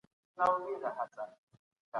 خپل تاریخ پخپله ولیکئ.